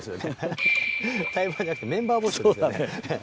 対バンじゃなくてメンバー募集ですよね。